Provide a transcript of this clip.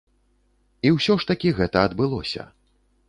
І ўсё ж такі гэта адбылося.